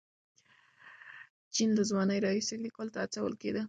جین له ځوانۍ راهیسې لیکلو ته هڅول کېده.